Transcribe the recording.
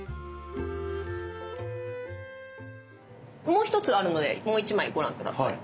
もう一つあるのでもう一枚ご覧下さい。